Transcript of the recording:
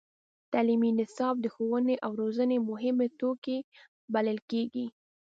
تعلیمي نصاب د ښوونې او روزنې مهم توکی بلل کېږي.